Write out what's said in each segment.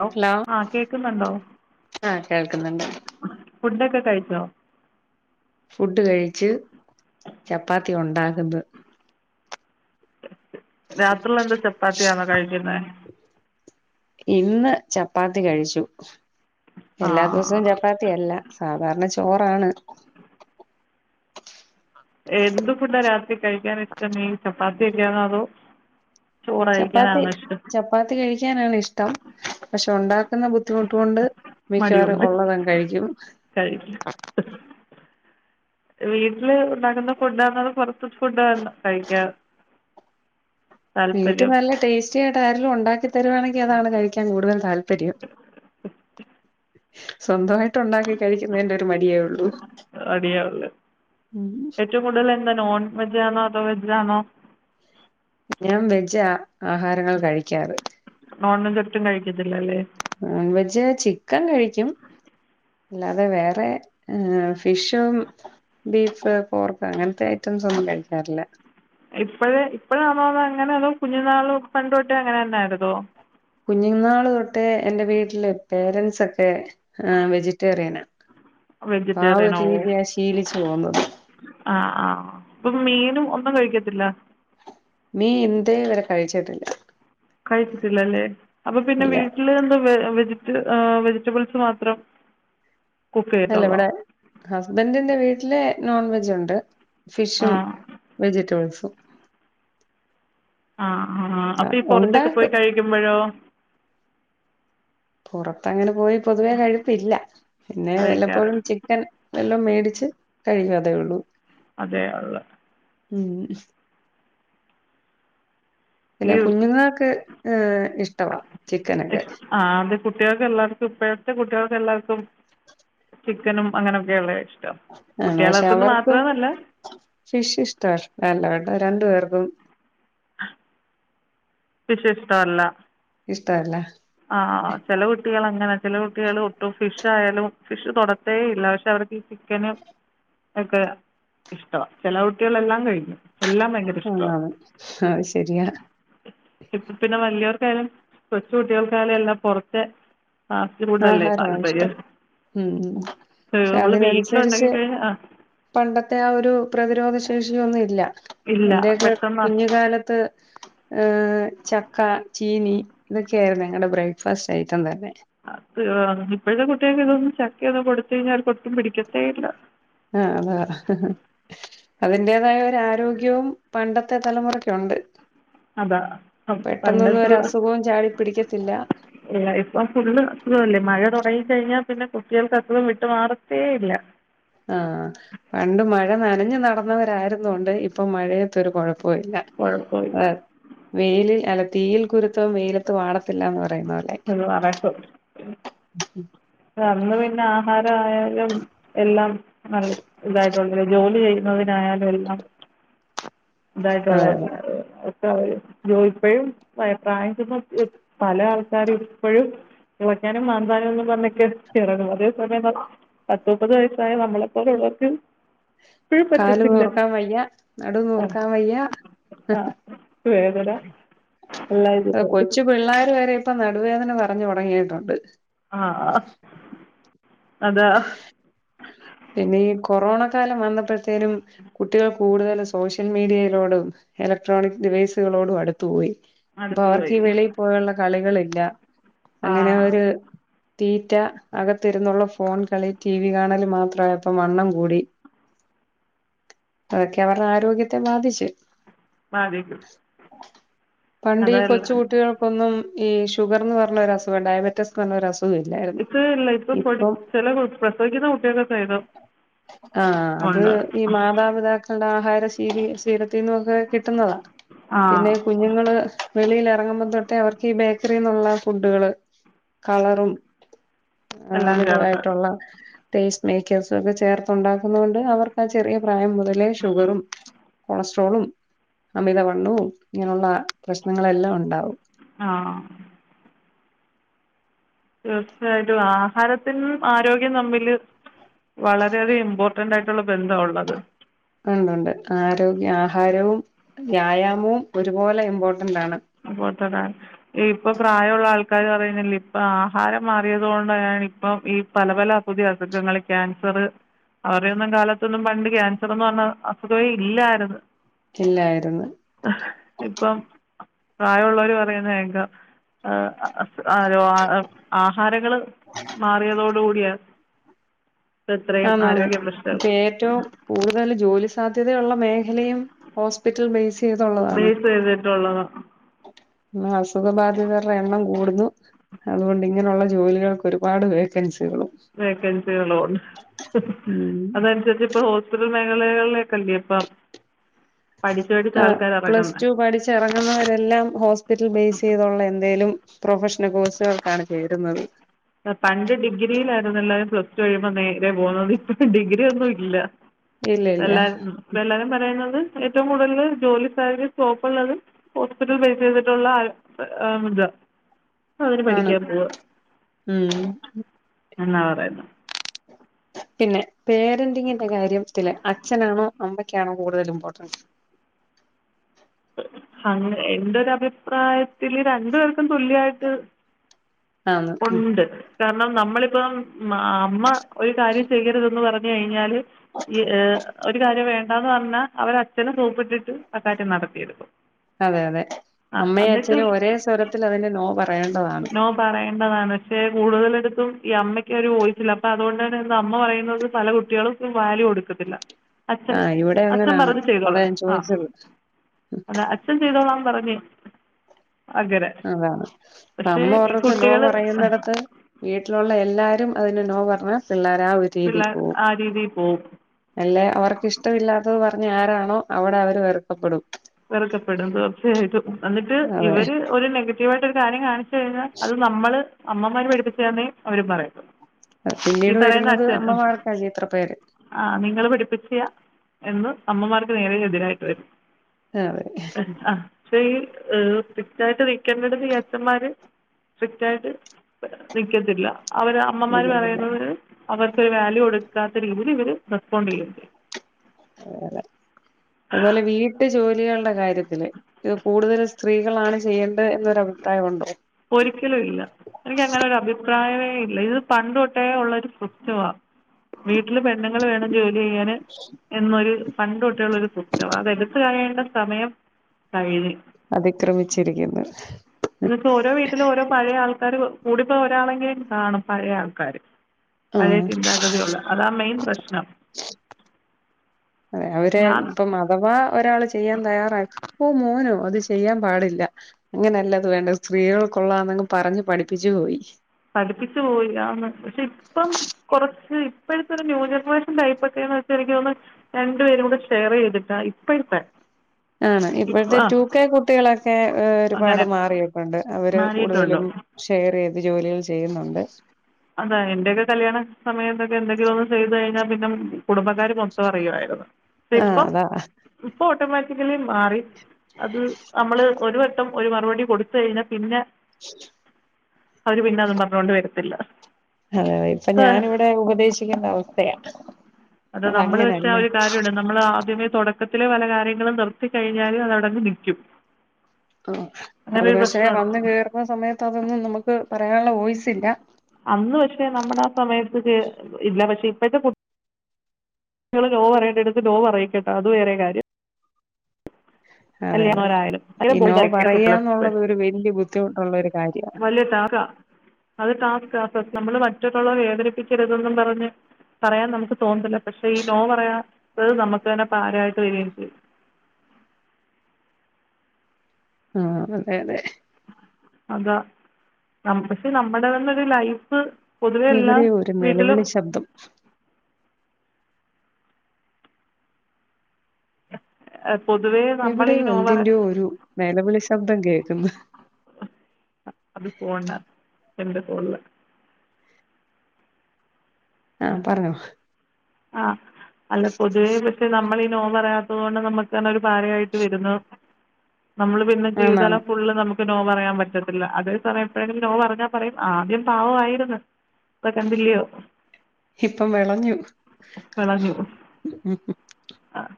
Hello ആഹ് കേക്കുന്നൊണ്ടോ ആഹ് കേൾക്കുന്നുണ്ട് ഫുഡൊക്കെ കഴിച്ചോ? ഫുഡ് കഴിച്ച് ചപ്പാത്തി ഒണ്ടാക്കുന്ന് രാത്രിയിലെന്താ ചപ്പാത്തിയാണോ കഴിക്കുന്നെ ഇന്ന് ചപ്പാത്തി കഴിച്ചു ആ എല്ലാ ദിവസവും ചപ്പ് ചപ്പാത്തി അല്ല സാധാരണ ചോറാണ് എന്ത് ഫുഡാ രാത്രി കഴിക്കാൻ ഇഷ്ട്ടം ഈ ചപ്പാത്തി ഒക്കെയാണോ അതോ ചോറ് ചപ്പാത്തി കഴിക്കാനാണോ ഇഷ്ടം ചപ്പാത്തി കഴിക്കാനാണ് ഇഷ്ട്ടം പക്ഷെ ഒണ്ടാക്കാ ക്കുന്ന ബുദ്ധിമുട്ടുകൊണ്ട് മിക്കവാറും മടിയുണ്ട് ഒള്ളതങ്ങ് കഴിക്കും കഴിക്കും വീട്ടില് ഒണ്ടാക്കുന്ന ഫുഡാന്നോ അതോ പൊറത്തെ ഫുഡാന്നോ കഴിക്കാ വീട്ടി നല്ല ടേസ്റ്റി ആയിട്ട് ആരെലും ഒണ്ടാക്കി തരുവാണെങ്കി അതാണ് കഴിക്കാൻ കൂടുതൽ താല്പര്യം സ്വന്തവായിട്ട് ഒണ്ടാക്കി കഴിക്കുന്നതിന്റെ ഒരു മടിയേ ഒള്ളൂ മടിയെ ഒള്ള് ഏറ്റവും കൂടുതൽ എന്താ നോൺ വെജാണോ അതോ വെജാണോ? ഞാൻ വെജാ ആഹാരങ്ങൾ കഴിക്കാറ് നോൺ വെജ് ഒട്ടും കഴിക്കത്തില്ലാല്ലേ നോൺ വെജ് ചിക്കൻ കഴിക്കും അല്ലാതെ വേറെ ഫിഷും ബീഫ് പോർക്ക് അങ്ങൻത്തെ ഐറ്റംസ് ഒന്നും കഴിക്കാറില്ലാ ഇപ്പഴെ ഇപ്പഴാന്നോ അതോ അങ്ങനെ അതോ കുഞ്ഞു നാളു പണ്ട് തൊട്ടേ അങ്ങനെ തന്നായിരുന്നോ കുഞ്ഞുനാള് തൊട്ടേ എന്റെ വീട്ടില് പേരൻ്റ്സൊക്കെ ആഹ് വെജിറ്റേറിയനാ, അപ്പൊ ആ വെജിറ്റേറിയൻ ഒരു രീതിയ ശീലിച്ചു പോന്നത്. ആഹ് ആഹ് അപ്പൊ മീനും ഒന്നും കഴിക്കത്തില്ല? മീൻ ഇന്തേ വരെ കഴിച്ചിട്ടില്ല. കഴിച്ചിട്ടില്ലല്ലേ. അപ്പൊ പിന്നെ ഇല്ല വീട്ടില് എന്താ വെ വെജിറ്റ വെജിറ്റബിൾസ് മാത്രം കുക്ക് അല്ല, ചെയ്യത്തുള്ളോ ഇവടെ ഹസ്ബന്റിന്റെ വീട്ടില് നോൺ വെജുണ്ട് ആ ഫിഷും വെജിറ്റബിൾസും. ആഹ് ആഹ് അപ്പ ഈ പൊറത്തൊക്കെ പോയി ഉണ്ടാക്കും കഴിക്കുമ്പഴോ? പൊറത്തങ്ങനെ പോയി പൊതുവേ കഴിപ്പില്ല പിന്നെ വല്ലപ്പോഴും കഴിക്കാറില്ല ചി ക്കൻ വല്ലോം മേടിച്ച് കഴികതേ ഒള്ളൂ. അതെ ഒള്ളൂ. ഉം. ഈ പിന്നെ കുഞ്ഞുങ്ങളക്കെ ഇഷ്ടവാ ചിക്കനൊക്കെ. ആഹ്, അത് കുട്ടികക്ക് എല്ലാവർക്കും ഇപ്പഴത്തെ കുട്ടികൾക്ക് എല്ലാവർക്കും ചിക്കനും അങ്ങനെയൊക്കെയെല്ലേ ഇഷ്ടം ആണ് പക്ഷെ കുട്ടികളെക്കൊന്ന് അവർക്കും മാത്രന്നല്ല ഫിഷ് ഇഷ്ട വേണ്ട വേണ്ട രണ്ടു പേർക്കും. ഫിഷ് ഇഷ്ടവല്ല. ഇഷ്ടവല്ല. ആഹ് ചെല കുട്ടികള് അങ്ങന ചെല കുട്ടികള് ഒട്ടും ഫിഷായാലും ഫിഷ് തൊടത്തേ ഇല്ല പക്ഷെ അവർക്ക് ഈ ചിക്കനും ഒക്കെ ഇഷ്ടവ, ചെല കുട്ടികളെല്ലാം കഴി ക്കും എല്ലാം ഭയങ്ക ആഹ് അഹ് ശരിയാ. ഇപ്പം പിന്നെ വലിയവർക്കായാലും കൊച്ച് കുട്ടികൾക്കായാലും എല്ലാം പൊറത്തെ ഫാസ്റ്റ് ഫുഡല്ലേ ആഹാരമാ താല്പര്യം? ഇഷ്ടം ഉം ആഹ് പക്ഷെ നമ്മള് വീട്ടിലുണ്ടാക്കി അതിനനുസരിച്ച് കഴിഞ്ഞ ആഹ് പണ്ടത്തെ ആ ഒരു പ്രതിരോധ ശേഷിയൊന്നും ഇല്ല. ഇല്ല എന്റെയൊക്കെ പെട്ടെന്ന് അസ് കുഞ്ഞുകാലത്ത് ഏഹ് ചക്ക, ചീനി ഇതൊക്കെയായിരുന്നു ഞങ്ങടെ ബ്രേക്ക്ഫാസ്റ്റ് ഐറ്റം തന്നെ. അത് ഇപ്പഴത്തെ കുട്ടികക്ക് ഇതൊന്നും ചക്കയൊന്നും കൊടുത്ത് കഴിഞ്ഞാ ഒട്ടും പിടിക്കത്തേ ഇല്ല. ആഹ് അതാ ഹ ഹ ഹ അതിന്റേതായ ഒരു ആരോഗ്യവും പണ്ടത്തെ തലമുറക്കൊണ്ട്. അതാ പെട്ടെന്നൊന്നും ഒരു പണ്ടത്തുള്ള അസുഖവും ചാടി പിടിക്കത്തില്ല. ഇല്ല ഇപ്പൊ ഫുള്ള് അസുഖല്ലേ മഴ തുടങ്ങി കഴിഞ്ഞാ പിന്നെ കുട്ടികൾക്ക് അസുഖം വിട്ട് മാറത്തേ ഇല്ല. ആ പണ്ട് മഴ നനഞ്ഞു നടന്നവരായിരുന്നോണ്ട് ഇപ്പൊ മഴയതൊരു കുഴപ്പോ ഇല്ല. കൊഴപ്പമില്ല. അതെ വെയിലിൽ അല്ല തീയിൽ കുരുത്തവൻ വെയിലത്ത് വാടത്തില്ല എന്ന് പറയുന്ന പോലെ. വ [unintelligible] [inaudible] അന്ന് പിന്നെ ആഹാര ആയാലും എല്ലാം നല്ല തായിട്ടുള്ള ജോലി ചെയ്യുന്നതിനായാലും എല്ലാം അതെ അതെ ഇതായിട്ടുള് ജോ ഇപ്പഴും പ്രായം പല ആൾക്കാരും ഇപ്പോഴും [unintelligible] മാന്താനുംന്ന് പറഞ്ഞക്കെ [unintelligible] അതേ സമയം പത്ത മുപ്പത് വയസ്സായ നമ്മളെപ്പോള്ളർക്ക്‌ കാല് നോർക്കാൻ വയ്യ നടു ആ നോർക്കാൻ വയ്യ ആ വേദന എല്ലാം അ ഇതുപോലെ കൊച്ചു പിള്ളേർ വരെ ഇപ്പ നടുവേദന പറഞ്ഞു തുടങ്ങിയിട്ടുണ്ട്. ആ അതാ പിന്നെ ഈ കൊറോണ കാലം വന്നപ്പോഴത്തേനും കുട്ടികൾ കൂടുതൽ സോഷ്യൽ മീഡിയയിലോടും എലക്ട്രോണിക് ഡിവൈസുകളോടും അടുത്തുപോയി. അപ്പൊ മടുത്ത് അവർക്ക് പോയി ഈ വെളിയിൽ പോയുള്ള കളികളില്ല ആ അങ്ങനെ ഒരു തീറ്റ അകത്ത് ഇരുന്നുള്ള ഫോൺ കളി ടി വി കാണാല് മാത്രമായപ്പം വണ്ണം കൂടി. അതൊക്കെ അവരുടെ ആരോഗ്യത്തെ ബാധിച്ച്. ബാധിക്കും പണ്ട് ഈ അതല്ല കൊച്ചു കുട്ടികൾ ഒന്നും ഈ ഷുഗർന്ന് പറഞ്ഞ ഒരു അസുഖ ഡയബറ്റീസ് എന്ന് പറഞ ഒരസു ഇപ്പ ഇല്ല ഇപ്പൊ പൊ ചില പ്രസവിക്കുന്ന കുട്ടിക ആ അത് ഈ മാതാപിതാ ആഹാര ശീ ശീലത്തിൽന്ന ഒക്കെ കിട്ടുന്നതാണ് ആ പിന്നെ കുഞ്ഞുങ്ങള് വെളിൽ ഇറങ്ങുമ്പോൾ തൊട്ടേ അവർക്ക് ഈ ബേക്കറിൽ നിന്നുള്ള ഫുഡുകള് കളറും എല്ലാം ചേർത്ത് ആമിതമായിട്ടുള്ള ടേസ്റ്റ് മേക്കേഴ്സും ഒക്കെ ചേർത്ത ഉണ്ടാക്കുന്ന കൊണ്ട് അവർക്ക് ആ ചെറിയ പ്രായം മുതലേ ഷുഗറും കൊളസ്ട്രോളും അമിതവണ്ണവും ഇങ്ങനെയുള്ള പ്രശ്നങ്ങളെല്ലാം ഉണ്ടാവും. ആഹ് തീർച്ചയായിട്ടും ആഹാരത്തിനും ആരോഗ്യം തമ്മില് വളരെയധം ഇമ്പോർട്ടന്റ് ആയിട്ടുള്ള ബന്ധമാണ് ഉള്ളത്. ഉണ്ട് ഉണ്ട് ആരോഗ്യ ആഹാരവും വ്യായാമവും ഒരുപോലെ ഇമ്പോർട്ടന്റ്ണ്. ഇമ്പോർട്ടന്റ് ആണ് ഇപ്പൊ പ്രായമുള്ള ആൾക്കാര് പറയുന്നില്ല ഇപ്പൊ ആഹാരം മാറിയത് കൊണ്ടാണ് ഇപ്പൊ ഈ പല പല പുതിയ അസുഖങ്ങൾ ക്യാൻസർ അവരുന്നും കാലത്തൊന്നും പണ്ട് ക്യാൻസർന്ന് പറഞ്ഞ അസുഖേ ഇല്ലായിരുന്നു. ഇല്ലായിരുന്നു ഇപ്പം പ്രായമുള്ളവര് പറയുന്ന കേക്കാം ആ ആഹാരങ്ങള് മാറിയതോട കൂടിയാ ആണ് ആണ് പ്രശ്നങ്ങൾ ഇപ്പ ഏറ്റവും കൂടുതൽ ജോലി സാധ്യതയുള്ള മേഖലയും ഹോസ്പിറ്റൽ ബേസ് ചെയ്തുള്ളതാണ് ബേസ് ചെയ്തിട്ടുള്ള അസുഖ ബാധിതരുടെ എണ്ണം കൂടുന്നു. അതുകൊണ്ട് ഇങ്ങനെയുള്ള ജോലികൾക്ക് ഒരുപാട് വേക്കൻസികളും വേക്കൻസികളുണ്ട് ഉം അതന്സര്ച്ച്പ്പോ റ്റൽ മേഖലകളിലെക്കല്ല്യേപ്പം പഠിച്ച്പഠിച്ച് ആൾക്കാരെറങ്ങ്ന്നെ ച്ചെറങ്ങുന്നവരെല്ലാം ഹോസ്പിറ്റൽ ബൈസെയ്തുള്ള എന്തേലും പ്രൊഫഷാണൽ കോഴ്സുകൾക്കാണ് ചേരുന്നത് പണ്ട് ഡിഗ്രീയിലായ്ര്ന്നെല്ലാരും പ്ലെസ്ടു കഴിയുമ്പോ നേരെ പോക്ന്നത് ഇപ്പം ഡിഗി ര്യൊന്നുല്ല ഇല്ല ഇല്ല എല്ലാ മ്പെല്ലാരും പറയുന്നത് ഏറ്റവും കൂട്തൽ ജോലി സാധ്യതേ സ്കോപ്പുള്ളത് ഹോസ്പിറ്റൽ ബൈസെയ്തിട്ടുള്ളാ ആംത് അതിന് ആണ് പഠിക്കാൻ പോവാ ഉം എന്നാ പറയ്ന്ന് പിന്നെ പേരന്റിങ്ങിന്റെ കാര്യംത്തിൽ അച്ഛനാണോ അമ്മയ്ക്കാണോ കൂടുതൽ ഇമ്പോർട്ടെന്റ് അങ്ങ് എന്റൊരഭിപ്രായത്തിൽ രണ്ട് പേർക്കും തുല്യായ്ട്ട് ആന്ന് ഉം ഉണ്ട് കാരണം നമ്മളിപ്പം അമ്മ ഒരു കാര്യം ചെയ്യെരുതെന്ന് പറ ഞ്ഞ് കഴിഞ്ഞാൽ ഈ ഏഹ് ഒരു കാര്യം വേണ്ടാന്ന് പറ്ഞ്ഞാ അവരച്ഛനെ സോപ്പിട്ടിട്ട് ആഹ് കാര്യം ന അതെഅതെ ആ അമ്മയും എന്നിട്ട് അച്ഛനും ഒരേ സ്വരത്തിലതിന്റെ നോ പറയേണ്ടതാണ് നോ പറയേണ്ടതാണ് ക്ഷെ കൂടുതലെടുത്തും ഈ അമ്മയ്ക്കൊരു വോയ്സില്ലാ അപ്പതോണ്ടന്നെ അമ്മ പറയുന്നത് പല കുട്ടികളും ഉം വാല്യു കൊടുക്കത്തില്ല അച്ഛൻ ആഹ് ഇവിടെ അച്ഛൻ അങ്ങനാണ് പറഞ്ഞ് അതാ ചെയ്തോളാ ഞാൻ ആഹ് ചോദിച്ചത് അതാ അച്ഛൻ ചെയ്തോളാന്ന് പറഞ്ഞ് അങ്ങനെ അതാണ് പക്ഷേ അമ്മ ഈ പറ്ഞ്ഞൊത്ത് നോ കുട്ടികൾ പറയുന്നെടത്ത് വീട്ട്ലുള്ള എല്ലാരും അതിനെ നോ പറഞ്ഞാ പിള്ളേരാവ പിള്ളേ ആ രീതീ പോവും എല്ലേ അവർക്കിഷ്ടമില്ലാത്തത് പറഞ്ഞേ ആരാണോ അവടെ അവര് വെറുക്കപ്പെടും വെറുക്കെപ്പെടും തീർച്ചയായിട്ടും എന്നിട്ട് അതെ ഇവര് ഒരു നെഗറ്റീവായിട്ടൊരു കാര്യം കാണി ച്ച് കഴിഞ്ഞാ അത് നമ്മള് അമ്മമാര് പഠിപ്പിച്ചാന്നേ അവര് പറയത്തൊള്ളൂ അത് പിന്നീട് വരുന്നത് അമ്മമാർക്കല്ലേ ഇത്ര പേര് ആഹ് നിങ്ങൾ പഠിപ്പിച്ച്യാ എന്ന് അമ്മമാർക്ക് നേരെ എതിരായിട്ട് വരും ആതെ ക്ഷേ ഈ സ്ട്രിക്റ്റായിട്ട് വെക്കെണ്ടെടത്ത് ഈ അച്ഛന്മാര് സ്ട്രിക്റ്റായ്ട്ട് നിക്കെത്തില്ല അവര് അമ്മമാർ അതെ പറയുന്നതൊരു അവർക്കൊര് വേല്യു കൊടുക്കാത്ത രീതീലിവര് റെസ്പോണ്ടെയ്യ്ണ്ട് [unintelligible] അതുപോലെ വീട്ടു ജോലികൾടെ കാര്യത്തില് ഇത് കൂട്തൽ സ്ത്രീകളാണ് ചെയ്യേണ്ടേ എന്നൊരു അഭിപ്രായമുണ്ടോ ഒരിക്കലു ഇല്ലാ എനിക്കങ്ങനൊരു അഭിപ്രായമേ ഇല്ല ഇത് പണ്ട് തൊട്ടേ ഉള്ളൊരു കൃത്യവാ വീട്ടിൽ പെണ്ണ്ങ്ങൾ വേണം ജോല്യെയ്യാന് എന്നൊരു പണ്ട്തൊട്ടേയുള്ളൊരു കുറ്റവാ അതെടുത്ത് കളയേണ്ട സമയം കഴ്ഞ്ഞ് അതിക്രമിച്ചിരിക്കുന്നു ന്ന്പ്പോ ഓരോ വീട്ടിലോരോ പഴയാൾക്കാര് കൂടിപ്പോ ഒരാളെങ്കിലും കാണും പഴയ ആൾക്കാര് പഴേ ആഹ് ചിന്താഗതിയുള്ള അതാ മെയ്ൻ പ്രെശ്നം അതെ അവര് ഞാൻ പ്പം അഥവാ ഒരാൾ ചെയ്യാൻ തയ്യാറായി ഓഹ് മോനോ അത് ചെയ്യാൻ പാടില്ല ങ്ങനെല്ലത് വേണ്ടത് സ്ത്രീകൾക്കൊള്ളാന്നെങ്ങ് പറഞ്ഞ് പഠിപ്പിച്ചു പോയി പഠിപ്പിച്ചു പോയി ആന്ന് ന്നട്ട് ഇപ്പം കൊറച്ച് ഇപ്പഴത്തൊരു ന്യൂജെനറേഷൻ ടൈപ്പെക്കേന്ന് വെച്ചാ എനിക്ക് തോന്ന് രണ്ട്പേരൂടെ ഷെയറെയ്തിട്ടാ ഇപ്പെഴ്ത്തെ ആണ് ഇപ്പൊഴെത്തെ റ്റൂകെ കുട്ടികളെക്കെ അങ്ങനെ ഒരുപാട് മാറിയിട്ടുണ്ട് അവര് മാറിയിട്ടുണ്ട് കൂട്തലും ഷെയറെയ്ത് ജോലികൾ ചെയ്യുന്നുണ്ട് അതയ്ന്റെക്കെ കല്ല്യാണ സമയത്തെക്കെ എന്തെങ്കിലൊന്ന് ചെയ്തു കഴിഞ്ഞാ പിന്നെ കുട്ബക്കാര് മൊത്തം അറിയുവായ്ര്ന്ന് ആഹ് ഇപ്പം അതാ ഇപ്പൊട്ടോമാറ്റിക്കലി മാറി അത് നമ്മൾ ഒരു വ ട്ടം ഒരു മറുപടി കൊടുത്ത് കഴിഞ്ഞാ പിന്നെ ഉ അവര് പിന്നെ അതും പറഞ്ഞൊണ്ട് വരത്തില്ല അതെതെ ഇപ്പൊ ഇപ്പം ഞാനിവിടെ ഉപദേശിക്കുന്ന അവസ്ഥയാണ് അത നമ്മള് പഷേ ആ ഒരു കാര്യം ഇട് നമ്മൾ ആദ്യമേ തുടക്കത്തിലെ പല കാര്യങ്ങളും നിർത്തി കഴിഞ്ഞാലും അത് അവ്ടെന്ന് നിക്കും ആഹ് അത് പക്ഷെ വന്ന് പ്രശ്നമുണ്ട് കേറുന്ന സമയത്ത് അതൊന്നും നമുക്ക് പറയാനുള്ള ഓയിസില്ല അന്ന് പക്ഷെ നമ്മടെ ആ സമയത്ത് കേ ഇല്ലാ പക്ഷെ ഇപ്പഴ്ത്തെ കുട്ട് കുട്ടികള് നോ പറേണ്ടടത്ത് നോ പറയിക്കാട്ടോ അത് വേറെ കാര്യം അതെ അതെ വല്ല്യവരായാലും ഈ നോ പറയാന്നുള്ളത് [unintelligible] ഒരു വല്യ ബുദ്ധിമുട്ടുള്ള ഒരു കാര്യാ വല്ല്യ ടാസ്ക്കാ അത് ടാസ്‌ക്കാ സ നമ്മള് മറ്റ്ള്ളോരെ വേദനിപ്പിക്കരുതെന്നും പറഞ്ഞ് പറയാൻ നമ്മക്ക് തോന്നത്തില്ല പക്ഷെ ഈ നോ പറയാത്തത് നമ്മക്ക് തന്നെ പാരയായിട്ട് വരികയും ചെയ്യും ആഹ് അതെ അതെ അതാ നമ് പക്ഷെ നമ്മടെ തന്നെ ഒരു ലൈഫ് പൊതുവെ എല്ലാ എവിടെയോ ഒരു വീട്ടിലും നിലവിളി ശബ്ദം [unintelligible] നമ്മൾ ഈ എവിടെയോ നോ പറ എന്തിന്റെയോ ഒരു നെലവിളി ശബ്ദം കേക്ക്ന്ന് അ അത് പോണ്ടാ എന്റെ ഫോണില് ആഹ് പറഞ്ഞോ ആഹ് അല്ല പൊതുവേ പക്ഷെ നമ്മളീ നോ പറയാത്ത അതുകൊണ്ട് നമുക്ക് തന്നെ ഒരു പാരയായിട്ട് വെരുന്നു നമ്മള് പിന്നെ ആന്നാന്ന് ജീവിതാലം ഫുള്ള് നമുക്ക് നോ പറയാൻ പറ്റത്തില്ലാ അത് കൊറെ പേര് നോ പറഞ്ഞാ പറയും ആദ്യം പാവായിരുന്നു ഇപ്പ കണ്ടില്ലയോ ഇപ്പം വെളഞ്ഞു ആഹ്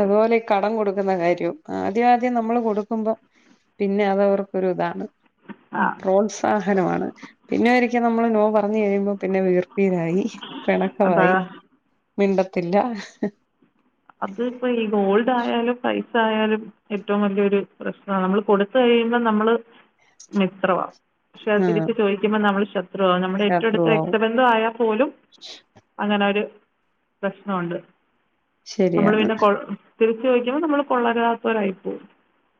അതുപോലെ ഈ കടം കൊടുക്കുന്ന കാര്യവും ആദ്യം ആദ്യം നമ്മൾ കൊടുക്കുമ്പോ പിന്നെ അത് അവർക്കൊരു ഇതാണ് ആ പ്രോത്സാഹനമാണ് പിന്നെ ഒരിക്കെ നമ്മള് നോ പറഞ്ഞ് കഴിയുമ്പോ പിന്നെ വീർപ്പിരായി പെണക്കവായി അതാ മിണ്ടത്തില്ലാ അത് ഇപ്പൊ ഈ ഗോൾഡ് ആയാലും പൈ സായാലും ഏറ്റവും വല്യൊരു പ്രശ്നവാ നമ്മള് കൊടുത്ത് കഴിയുമ്പം നമ്മള് മിത്രവാ പക്ഷെ അത് ആഹ് തിരിച്ച് ചോദിക്കുമ്പോ നമ്മള് ശത്രുവാ നമ്മടെ ഏറ്റവും അടുത്ത ശത്രുവാവും. രക്ത ന്തവായ പോലും അങ്ങനെ ഒരു പ്രശ്നവൊണ്ട് ശരിയാ. നമ്മള് പിന്നെ കൊൾ തിരിച്ച് ചോദിക്കുമ്പോൾ നമ്മള് കൊള്ളവരാത്തവരായി പോകും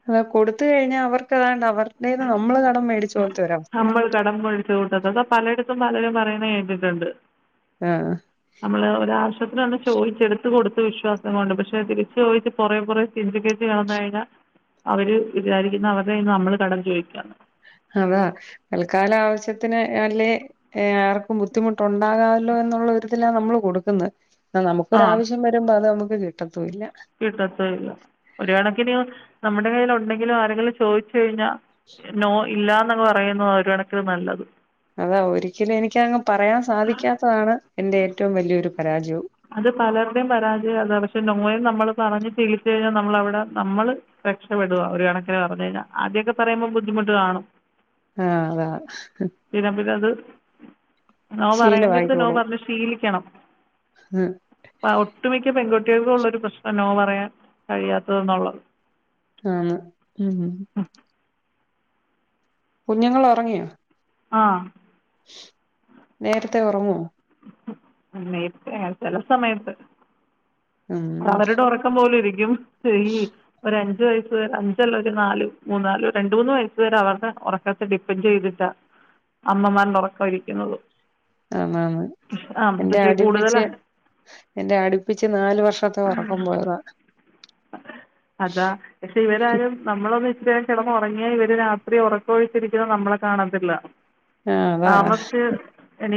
അതാ കൊടുത്ത് കഴിഞ്ഞാ അവർക്ക് അതാണ് അവരുടേന്ന് നമ്മള് കടം മേടിച്ച പോലത്തെ ഒരവസ് നമ്മള് കടം മേടിച്ച കൂട്ടത്ത് അതാ പലയിടത്തും പലരും പറയണ കേട്ടിട്ടൊണ്ട് ആഹ് നമ്മള് ഒരാവശ്യത്തിന് അന്ന് ചോദിച്ച് എടുത്തു കൊടുത്ത് വിശ്വാസം കൊണ്ട് പക്ഷെ തിരിച്ച് ചോദിച്ച് പൊറെ പൊറെ [unintelligible] കടന്ന് കഴിഞ്ഞാ അവര് വിചാരിക്കുന്നാ അവര്ടെന്ന് നമ്മള് കടം ചോദിക്കാന്ന് അതാ തൽക്കാല ആവശ്യത്തിന് അല്ലേ ഏഹ് ആർക്കും ബുദ്ധിമുട്ടൊണ്ടാകാല്ലോ എന്നുള്ള ഒരിതിലാ നമ്മള് കൊടുക്കുന്നത് ന്നാ ആ നമുക്കൊരാവശ്യം വരുമ്പോ അത് നമുക്ക് കിട്ടത്തൂല്ലാ കിട്ടത്തൂല്ലാ ഒരു കണക്കിന് നമ്മടെ കൈയ്യിൽ ഒണ്ടെങ്കിലും ആരെങ്കിലും ചോദിച്ചാ ച്ച് കഴിഞ്ഞാ നോ ഇല്ലാന്ന് പറയുന്നതാ ഒരു കണക്കിന് നല്ലത് അതാ ഒരിക്കലും എനിക്കങ്ങ് പറയാൻ സാധിക്കാത്തതാണ് എന്റെ ഏറ്റവും വലിയൊരു പരാജയവും. അത് പലരുടെയും പരാജയം അതാ പക്ഷെ നോയെന്ന് നമ്മള് പറഞ്ഞ് ശീലിച്ചു കഴിഞ്ഞാ നമ്മളവിടെ നമ്മള് രക്ഷപ്പെടുവാ ഒരു കണക്കിന് പറഞ്ഞു കഴിഞ്ഞാ ആദ്യൊക്കെ പറയുമ്പോ ബുദ്ധിമുട്ട് കാണും ആഹ് അതാണ് പിന്നെ പിന്നെ അത് നോ പറയെണ്ടെടുത്ത് നോ ശീലമായിക്കോളും. പറഞ്ഞു ശീലിക്കണം ആഹ് പ ഒട്ടുമിക്ക പെൺകുട്ടികൾക്കള്ളരു പ്രശ്നം നോ പറയാൻ കഴിയാത്തത് ന്നുള്ളത് ആന്ന് ഉം ഉം. കുഞ്ഞുങ്ങൾ ഒറങ്ങിയോ ആഹ് നേരത്തെ ഒറങ്ങോ മേംപ്‌ലേ ചെല സമയത്ത് ഉം അവരുടെ ഒറക്കം പോലിരിക്യും ചയി ഒരഞ്ജ് വയസ് ഒരഞ്ചല്ല ഒര് നാല് മൂന്നാല് രണ്ട് മൂന്ന് വയസ് വരെ അവര്ടെ ഒറക്കത്തെ ഡിപൻൻ്റീതിട്ടാ അമ്മമാര്ടെ ഒറക്കം ഇരിക്യുന്നത് ആന്ന് അന്ന് എന്റെ പക്ഷേ അടിപ്പിച്ച് കൂടുതലാണ് എന്റെ അട്പ്പിച്ച് നാല് വർഷത്തെ ഒറക്കം പോയതാ അതാ ക്ഷെ ഇവരാരും നമ്മളൊന്ന് ഇത്രേംകിടന്ന് ഒറങ്ങിയ ഇവര് രാത്രി ഒറക്കൊഴിച്ചിരിക്ന്ന നമ്മളെ കാണത്തില്ല ആഹ് അതാ താമസിച്ച് എണീ